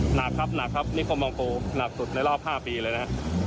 หนักครับนี่ความบางตัวหนักสุดในรอบ๕ปีเลยนะ